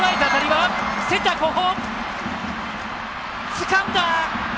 つかんだ！